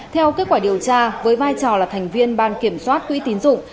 theo kết quả điều tra với vai trò là thành viên ban kiểm soát quỹ tín dụng